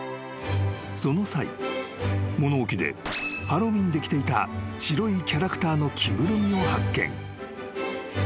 ［その際物置でハロウィーンで着ていた白いキャラクターの着ぐるみを発見］